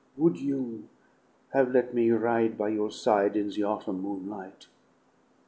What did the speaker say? "Would you have let me ride by your side in the autumn moonlight?"